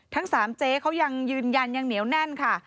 ทั้ง๓เจ๊เขายังยืนยันยังเหนียวแน่นค่ะ